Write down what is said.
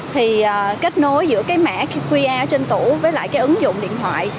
thì kết nối giữa cái mã qr trên tủ với lại cái ứng dụng điện thoại